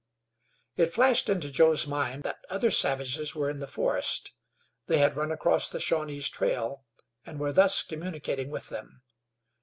It flashed into Joe's mind that other savages were in the forest; they had run across the Shawnees' trail, and were thus communicating with them.